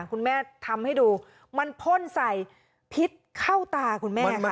คุณแม่ทำให้ดูมันพ่นใส่พิษเข้าตาคุณแม่ค่ะ